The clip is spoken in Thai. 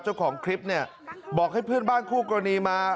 เจ้าของคลิปเนี่ยบอกให้เพื่อนบ้านคู่กรณีมา